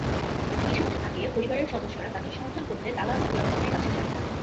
কিছুদিন আগে পরিবারের সদস্যরা তাঁদের সন্ধান করতে দালাল মোবারক খানের কাছে যান।